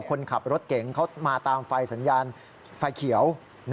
คนขับรถเก๋งเขามาตามไฟสัญญาณไฟเขียว